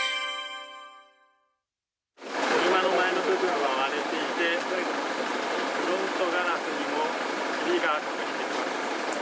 車の前の部分が割れていてフロントガラスにもひびが入っています。